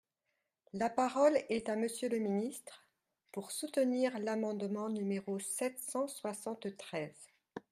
La parole est à Monsieur le ministre, pour soutenir l’amendement numéro sept cent soixante-treize.